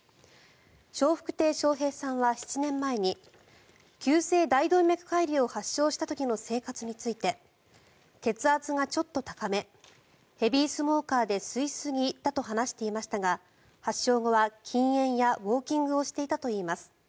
笑福亭笑瓶さんは７年前に急性大動脈解離を発症した時の生活について血圧がちょっと高めヘビースモーカーで吸いすぎだと話していましたが発症後は禁煙やウォーキングをしていたといいます。